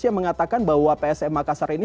yang mengatakan bahwa psm makassar ini